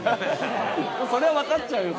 それは分かっちゃうよ